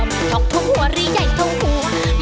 มีทองทงหัวหรือใหญ่ทงหัว